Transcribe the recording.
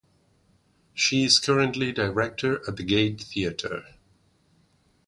She is currently director at the Gate Theatre.